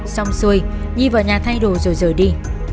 xong xuôi nhi vào nhà thay đổi rồi rời đi